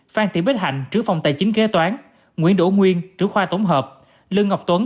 phan thị bích hạnh trưởng phòng tài chính kế toán nguyễn đỗ nguyên trưởng khoa tổng hợp lương ngọc tuấn